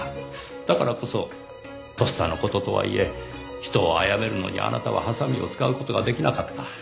だからこそとっさの事とはいえ人を殺めるのにあなたはハサミを使う事が出来なかった。